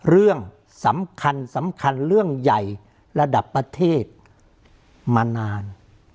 เรื่องสำคัญสำคัญเรื่องใหญ่ระดับประเทศมานาน